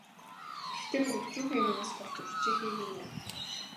Тэгэхдээ бүр өчүүхэн юмнаас болж үрчийхийг минь яана.